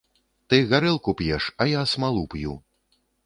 Ты гарэлку п'еш, а я смалу п'ю.